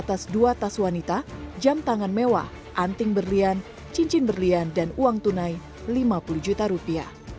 atas dua tas wanita jam tangan mewah anting berlian cincin berlian dan uang tunai lima puluh juta rupiah